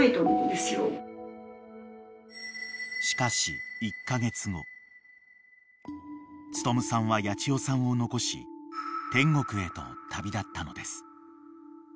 ［しかし］［力さんは八千代さんを残し天国へと旅立ったのです］